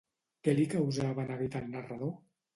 Què li causava neguit al narrador?